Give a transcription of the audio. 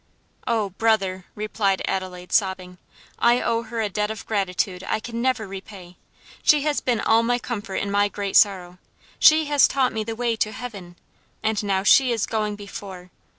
"Oh, brother!" replied Adelaide, sobbing, "I owe her a debt of gratitude I can never pay. She has been all my comfort in my great sorrow; she has taught me the way to heaven, and now she is going before."